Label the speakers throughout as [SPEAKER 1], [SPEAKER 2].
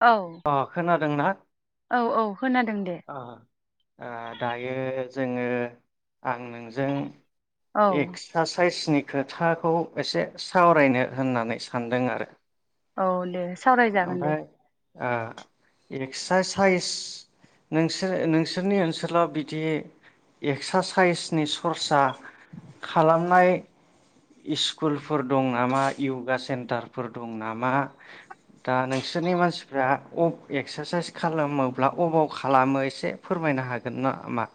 [SPEAKER 1] औ
[SPEAKER 2] अ खोनादोंना
[SPEAKER 1] औ औ खोनादों दे
[SPEAKER 2] अ ओ दायो जोङो आं नोंजों
[SPEAKER 1] औ
[SPEAKER 2] एक्सरसाइज नि खोथाखौ एसे सावरायनो होननानै सानदों आरो
[SPEAKER 1] औ दे सावरायजागोन दे
[SPEAKER 2] ओमफ्राय ओ एक्सासाइस नोंसोर नोंसोरनि ओनसोलाव बिदि एक्सारसाइसनि सरसा खालामनाय स्कुलफोर दं नामा यगा सेन्टारफोर दं नामा दा नोंसोरनि मानसि फ्रा एक्सारसाइस खालामोब्ला अबाव खालामो एसे फोरमायनो हागोन नामा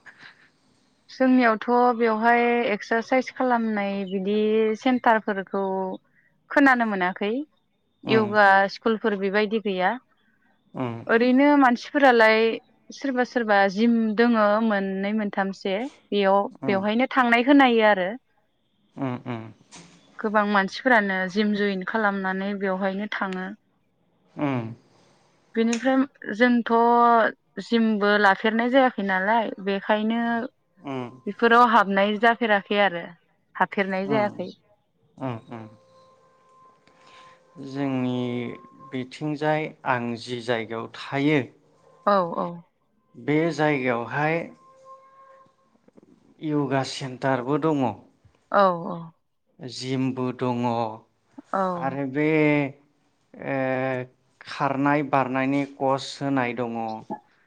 [SPEAKER 1] जोंनियावथ' बेवहाय एक्सारसाइस खालामनाय बिदि सेन्टारफोरखौ खोनानो मोनाखै इउगा स्कुल फोर बेबायदि गैया। ओरैनो मानसि फोरालाय सोरबा सोरबा जिम दङो मोननै मोनथामसो जे बेयाव बेवहायनो थांनाय खोनायो आरो गोबां मानसि फोरानो जिम जइन खालामनानै बेवहायनो थाङो।
[SPEAKER 2] उम
[SPEAKER 1] बेनिफ्राय जोंथ' जिमबो लाफेरनाय जायाखै नालाय बेखायनो बिफोराव हाबनाय जाफेराखै आरो हाफेरनाय जायाखै।
[SPEAKER 2] जोंनि बिथिंजाय आं जि जायगायाव थायो
[SPEAKER 1] औ औ
[SPEAKER 2] बे जायगायावहाय यगा सेन्टारबो दङ।
[SPEAKER 1] औ औ
[SPEAKER 2] जिमबो दङ।
[SPEAKER 1] औ
[SPEAKER 2] आरो बे ओ खारनाय बारनायनि कच होनाय दङ।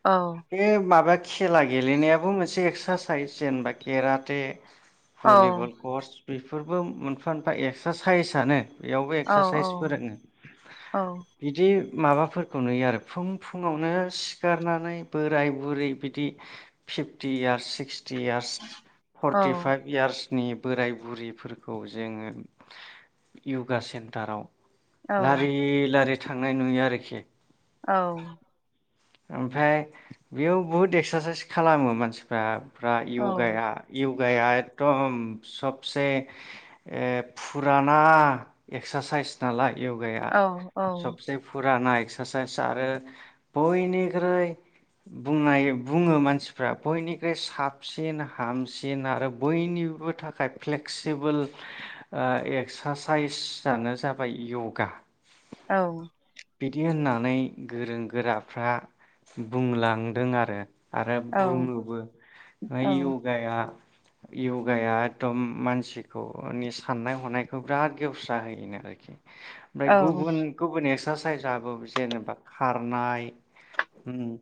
[SPEAKER 1] औ
[SPEAKER 2] बे माबा कि खेला गेलेनायाबो मोनसे एक्सारसाइस जेनेबा केराटे
[SPEAKER 1] औ
[SPEAKER 2] भलिबल कच बेफोरबो मोनफा मोनफा एक्सारसाइसआनो। बेयावबो
[SPEAKER 1] औ
[SPEAKER 2] एक्सारसाइस फोरोङो।
[SPEAKER 1] औ
[SPEAKER 2] बिदि माबाफोरखौ नुयो आरो फुं फुङावनो सिखारनानै बोराय बुरै बिदि फिफ्टियार सिक्स थिइयार्स
[SPEAKER 1] औ
[SPEAKER 2] फरटि फाइभ इयार्स नि बोराय बुरिफोरखौ जोङो यगा सेन्टाराव
[SPEAKER 1] औ
[SPEAKER 2] लारि लारि थांनाय नुयो आरोखि।
[SPEAKER 1] औ
[SPEAKER 2] ओमफ्राय बेयाव बहुद एक्सारसाइस खालामो मानसिफ्रा। फ्रा यगाया यगाया एखदम सबसे ओ फुराना एक्सारसाइस नालाय योगाया
[SPEAKER 1] औ
[SPEAKER 2] सबसे फुर रानना एक्सारसाइस आरो बयनिख्रुइ बुंनाय बुङो मानसिफ्रा बयनिख्रुइ साबसिन हामसिन आरो बयनिबो थाखाय फ्लेक्सिबोल ओ एक्सारसाइसानो जाबाय यगा
[SPEAKER 1] औ
[SPEAKER 2] बिदि होननानै गोरों गोराफ्रा बुंलांदों आरो आरो
[SPEAKER 1] औ
[SPEAKER 2] बुङोबो यगाया यगाया एकदम मानसिखौनि साननाय हनायखौ बिराद गेवस्रा होयोन आरोखि ओमफ्राय गुबुन गुबुन एस एक्सारसाइसआबो जेनेबा खारनाय उम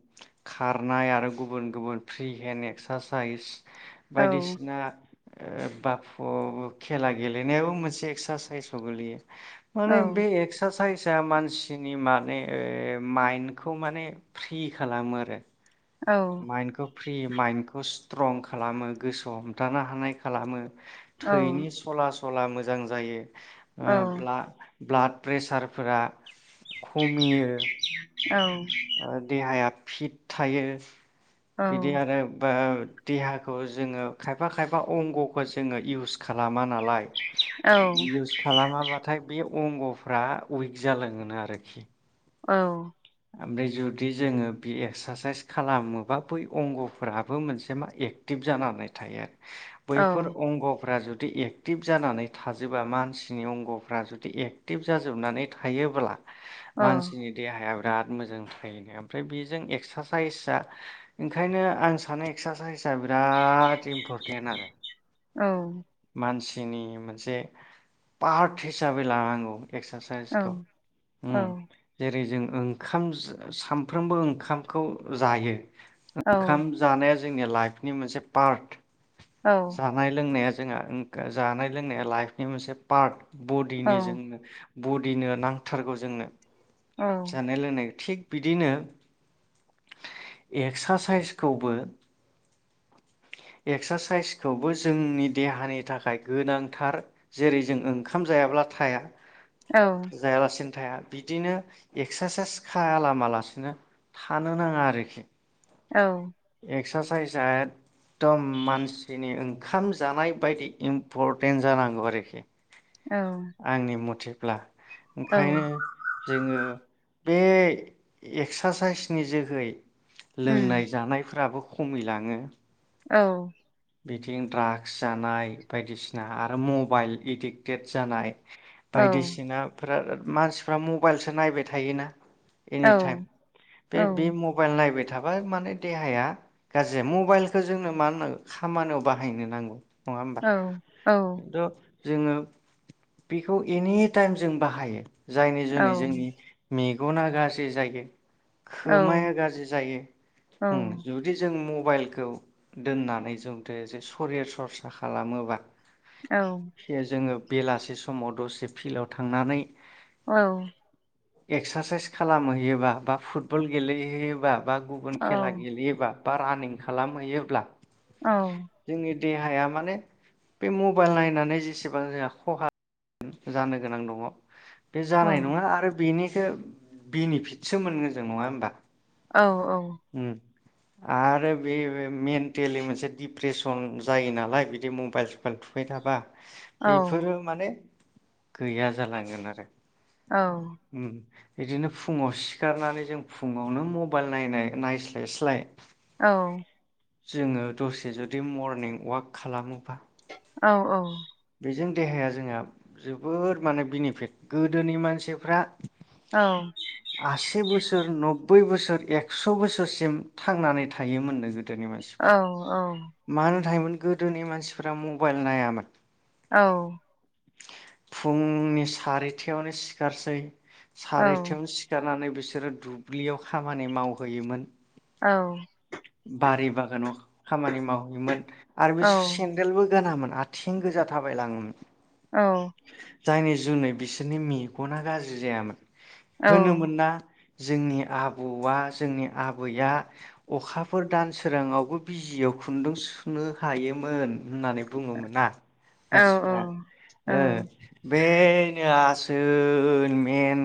[SPEAKER 2] खारनाय आरो गुबुन गुबुन फ्रि हेन्ड एक्सारसाइस बायदिसिना ओ बाफु खेला गेलेनायाबो मोनसे एक्सारसाइसाव गोलैयो माने बे एक्सारसाइज यामानस मानसिनि माने ओ माइन्दखौ माने फ्रि खालामो आरो
[SPEAKER 1] औ औ
[SPEAKER 2] माइनखो फ्रि माइन्डखौ स्ट्रं खालामो गोसोआव हमथानो हानाय खालामो थैनि सला स सला मोजां जायो ओ ब्ला ब्लाड प्रेसारफोरा खमियो
[SPEAKER 1] औ
[SPEAKER 2] ओ देहाया फिट थायो। बिदि आरो बा देहाखौ जोङो खायफा खायफा अंगखौ जोङो इउस खालामा नालाय इउस खालामाब्लाथाय बे अंग'फ्रा उइक जालाङोनो आरोखि।
[SPEAKER 1] औ।
[SPEAKER 2] ओमफ्राय जुदि जोङो बे एक्सारसाइस खालामोबा बै अंगफोराबो मोनसे मा एक्टिभ जानानै थायो आरो। बैफोर अंग'फ्रा जुद जुदि एक्टिभ जानानै थाजोबा मानसिनि अंगफ्रा जुदि एक्टिभ जाजोबनानै थायोब्ला मानसिनि देहायाव बिराद मोजां थायोनो ओमफ्राय बेजों एक्सारसाइसआ ओंखायनो आं सानो एक्सारसाइसआ बिराद इम्परटेन्ट आरो।
[SPEAKER 1] औ।
[SPEAKER 2] मानसिनि मोनसे पार्ट हिसाबै लानांगौ। एक्सारसाइसखौ
[SPEAKER 1] औ
[SPEAKER 2] उम जेरै जों ओंखाम सा-सामफ्रोमबो ओंखामखौ जायो ओंखाम जानाया जोंनि लाइफनि मोनसे पार्ट ‌। जानाय लोंनाया जोंहा ओ जानाय लोंनाया लाइफनि मोनसे पार्ट। बडिनि जों बडिनो नांथारगौ जोंनो । जानाय लोंनाय थिग बिदिनो एक्सा साइसखौबो एक्सारसाइसखौबो जोंनि देहानि थाखाय गोनांथार । जेरै जों ओंखाम जायाब्ला थाया। जायालासिन थाया बिदिनो एक्सा साइस खालामालासिनो थानो नाङा आरोखि।
[SPEAKER 1] औ।
[SPEAKER 2] एक्सारसाइजआ एकदम मानसिनि ओंखाम जानाय बायदि इम्परटेन्ट जानांगौ आरोखि। आंनि मथे। ब्ला। ओंखायनो जोङो बे एक्सारसाइसनि जोहै
[SPEAKER 1] उम
[SPEAKER 2] लोंनाय जानाय फोराबो खमिलाङो ।
[SPEAKER 1] औ।
[SPEAKER 2] बिथिं द्राग्स जानाय बायदिसिना आरो मबाइल एडिक्टेड जानाय ‌
[SPEAKER 1] औ
[SPEAKER 2] बायदिसिना फ्रा आरो मानसिफ्रा मबाइलसो नायबाय थायोना
[SPEAKER 1] औ
[SPEAKER 2] एनिटाइम
[SPEAKER 1] औ
[SPEAKER 2] बे बे मबाइल नायबाय थाबा माने देहाया गाज्रि जायो। मबाइलखो जोंनो मानो नाङो खामानियाव बाहायनो नांगौ। नङा होमबा?
[SPEAKER 1] औ औ
[SPEAKER 2] खिन्थु जोङो बेखौ एनि टाइम जों बाहायो। जायनि जुनै जोंनि
[SPEAKER 1] औ
[SPEAKER 2] मेग गना गाज्रि जायो।
[SPEAKER 1] औ
[SPEAKER 2] खोमाया गाज्रि जायो।
[SPEAKER 1] औ
[SPEAKER 2] ओम जुदि जों म बाइलखौ दोननानै जोंदो जे सरिया सरसा खालामोबा।
[SPEAKER 1] औ
[SPEAKER 2] फे जोङो बेलासे समाव दसे फिल्डआव थांनानै
[SPEAKER 1] औ
[SPEAKER 2] एक्सारसाइस खालामहैयोबा बा फुटबल गेलेहैयोबा बा गुबुन खेला गेलेयोबा बा रानिं खालामहैयोब्ला
[SPEAKER 1] औ
[SPEAKER 2] जोंनि देहाया माने बे मबाइल नायनानै जेसेबां जोंहा खहा [inaudible] जानो गोनां दङ। बे जानाय नङा
[SPEAKER 1] औ
[SPEAKER 2] आरो बेनि सो बिनिफिटसो मोनगोन जों नङा होमबा?
[SPEAKER 1] औ औ।
[SPEAKER 2] उम आरो बे बे मेन्टेलि मोनसे डिप्रेसन जायो नालाय बिदि मबाइल सबाइल थुुबाय थाबा बेफोरो माने गैया जालांगोन आरो उम बिदिनो फुङाव सिखारनानै जों फुंङावनो मबाइल नायनाय नायस्लायस्लाय
[SPEAKER 1] औ
[SPEAKER 2] जोङो दसे जुदि मरनिं अवाक खालामोबा
[SPEAKER 1] औ औ।
[SPEAKER 2] बेजों देहाया जोंहा जोबोर माने बेनिफिट गोदोनि मानसिफ्रा आसि बोसोर नब बै बोसोर एक्स' बोसोरसिम थांनानै थायोमोन नो गो
[SPEAKER 1] औ औ
[SPEAKER 2] मानो थायोमोन गोदोनि मानसिफ्रा मबाइल नायामोन।
[SPEAKER 1] औ
[SPEAKER 2] फुंनि सारिथायावनो सिखारसै सारिथायावनो सिखारनानै बिसोरो दुब्लियाव खामानि मावहोयोमोन।
[SPEAKER 1] औ
[SPEAKER 2] बारि बागानाव खामानि मावहैयोमोन आरो बे सेन्देलबो गानामोन। आथिं गोजा थाबाय लांङोमोन।
[SPEAKER 1] औ
[SPEAKER 2] जायनि जुनै बिसोरनि मेगना गाज्रि जायामोन। होनो मोनना? जोंनि आबौआ जोंनि आबैया अखा फोर दान सोराङावबो बिजियाव खुन्दुं सुनो हायोमोन। होननानै बुङोमोना मानसिफ्रा बे ओ मेन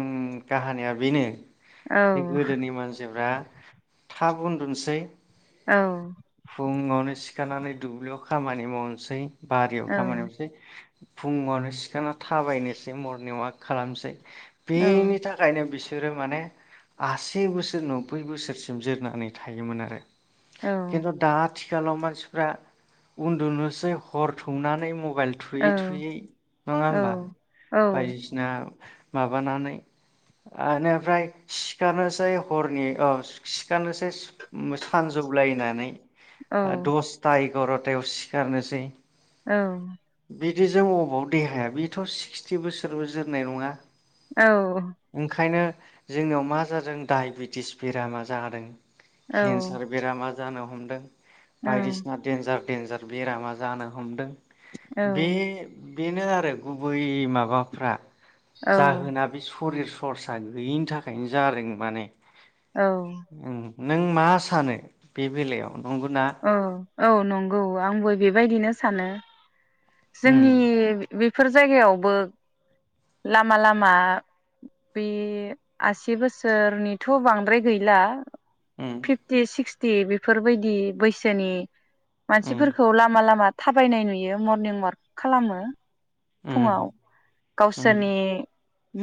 [SPEAKER 2] काहानिया बेनो बे गोदोनि मानसिफ्रा थाब उन्दुनोसै
[SPEAKER 1] औ
[SPEAKER 2] फुङावनो सिखारनानै दुब्लियाव खामानि मावनोसै बारियाव खामानि मावसै फुङावनो सिखारना थाबायनोसै मरनिं वाक खालामसै। बेनि थाखायनो बिसो जोरो माने आसि बोसोर नोब्बै बोसोरसिम जोरनानै थायोमोन आरो। खिन्तु दा आथिखालाव मानसिफ्रा उन्दुनोसै हर थौनानै म बाइल थुयै थुयै नङा होमबा? बायदिसिना माबानानै ओनोफ्राय सिखारनोसै हरनि अ सिखारनोसै उम सा नजौलायनानै आ दस ता ए गरथायाव सिखारनोसै
[SPEAKER 1] औ
[SPEAKER 2] बिदिजों अबाव देहाया बिथ' सिक्सटि बोसोरबो जोरनाय नङा।
[SPEAKER 1] औ
[SPEAKER 2] ओंखायनो जोंनियाव मा जादों दाइबेटिस बेरामा जादों।
[SPEAKER 1] औ
[SPEAKER 2] सार बेरामा जानो हमदों
[SPEAKER 1] औ औ
[SPEAKER 2] बायदिसिना देन्जार देन्जार बेरामा जानो हमदों
[SPEAKER 1] औ
[SPEAKER 2] बे बेनो आरो गुबै माबाफ्रा
[SPEAKER 1] औ
[SPEAKER 2] जाहोना बे हरि सर्सा गैयिनि थाखायनो जादों माने
[SPEAKER 1] औ
[SPEAKER 2] उम नों मा स सानो बे बेलायाव बुंगोनना
[SPEAKER 1] औ औ नंगौ आंबो बेबायदिनो सानो
[SPEAKER 2] उम
[SPEAKER 1] जोंनि बे बेफोर जायगायावबो लामा लामा बे आसि बोसोरनिथ' बांद्राय गैला
[SPEAKER 2] उम
[SPEAKER 1] फिफ्टि सि ख्थि बे बेफोरबायदि बैसनि
[SPEAKER 2] उम
[SPEAKER 1] मानसिफोरखौ लामा लामा थाबायनाय नुयो मरनिं अवाक खालामो
[SPEAKER 2] उम
[SPEAKER 1] फुङाव
[SPEAKER 2] उम
[SPEAKER 1] गावसोरनि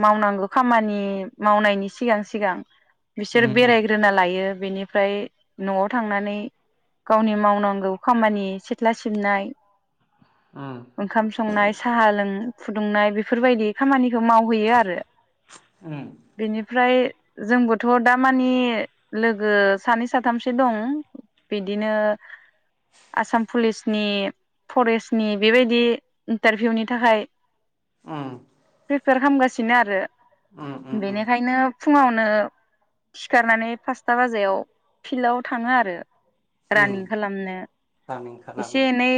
[SPEAKER 1] मावनांगौ खामानि मावनायनि सिगां सिगां
[SPEAKER 2] उम
[SPEAKER 1] बिसोर बेरायग्रोना लायो। बेनिफ्राय न'आव थांनानै गावनि मावनांगौ खामानि सिथ्ला सिबनाय ओंखाम संनाय साहा लों फुदुंनाय बेफोरबायदि खामानि मावहैयो आरो
[SPEAKER 2] उम
[SPEAKER 1] बेनिफ्राय जोंबोथ' दामानि लोगो सानै साथामसो दं बिदिनो आसाम पुलिसनि फरेस्टनि बेबायदि इन्टारभिउनि थाखाय
[SPEAKER 2] उम
[SPEAKER 1] प्रिफयार खामगासिनो आरो
[SPEAKER 2] उम उम
[SPEAKER 1] बेनिखायनो फुङावनो सिखारनानै पासथा बाजायाव फिल्डाव थाङो आरो रान
[SPEAKER 2] उम
[SPEAKER 1] खालामनो
[SPEAKER 2] रानिं
[SPEAKER 1] एसे
[SPEAKER 2] खालामै
[SPEAKER 1] एनै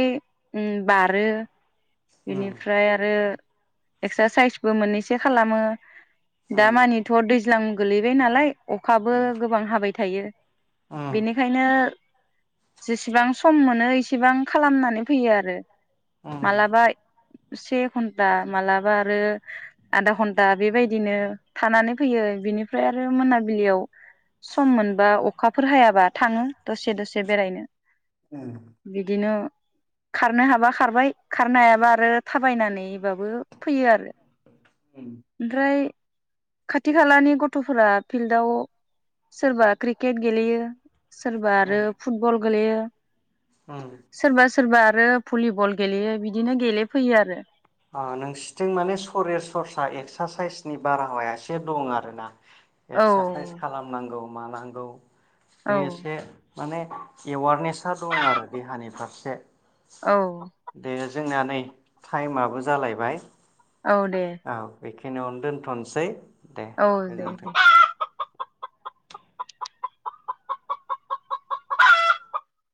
[SPEAKER 1] उम बारो
[SPEAKER 2] उम
[SPEAKER 1] बेनिफ्राय आरो एक्सारसाइसबो मोननैसो से खालामो दा
[SPEAKER 2] उम
[SPEAKER 1] मानिथ' दैज्लां गोलैबाय नालाय। अखाबो गोबां हाबाय थायो।
[SPEAKER 2] उम
[SPEAKER 1] बेनिखायनो जेसेबां सम मोनो इसेबां खालामनानै फैयो आरो
[SPEAKER 2] उम
[SPEAKER 1] मालाबा से घन्टा मालाबा आरो आधा घन्टा बेबायदिनो थानानै फैयो बिनिफ्राय आरो मोनाबिलियाव सम मोनबा अखाफोर हायाबा थाङो। दसे दसे बेरायनो।
[SPEAKER 2] उम
[SPEAKER 1] बिदिनो खारनो हाबा खारबाय खारनो हायाबा आरो थाबायनानैबाबो फैयो आरो
[SPEAKER 2] उम
[SPEAKER 1] ओमफ्राय खाथि खालानि गथ'फोरा फिल्डआव सोरबा क्रिकेट गेलेयो। सोरबा आरो
[SPEAKER 2] उम
[SPEAKER 1] फुटबल गोलैयो। सोरबा सोरबा आरो भलिबल गेलेयो बिदिनो गेलेफैयो आरो
[SPEAKER 2] ओ नोंसोरनिथिं माने सरे सरसा एक्सासाइसनि बारहावाया एसे दं आरोना?
[SPEAKER 1] औ
[SPEAKER 2] एक्सारसाइस खालामनांगौ। मानांगौ
[SPEAKER 1] औ
[SPEAKER 2] बे एसे माने एवारनेसा दं आरो देहानि फारसे।
[SPEAKER 1] औ
[SPEAKER 2] दे जोंना नै थायेमाबोस जालायबाय।
[SPEAKER 1] औ दे।
[SPEAKER 2] औ बेखिनियावनो दोनथनोसै। दे
[SPEAKER 1] औ दे
[SPEAKER 2] गोजोन्थों
[SPEAKER 1] दे।